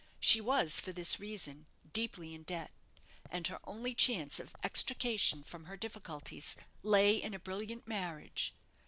She was, for this reason, deeply in debt, and her only chance of extrication from her difficulties lay in a brilliant marriage.